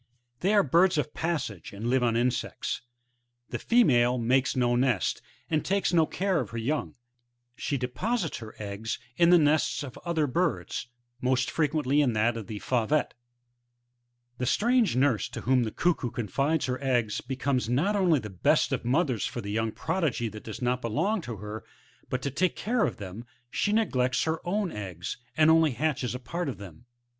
{Plate A^fig. 6;) They are birds of passage, and live t)n insects. The female makes no nest, and takes no 6are of her young ; she deposites her eggs in the nests of other birds, most frequently in that of the Faurctte, The strange nurse, to whom the Cuckoo confides her eggs, becomes not only the best of mothers for the young progeny that does not belong to her, but to take care of them she neglects her own eggs, and only hatches a part of them.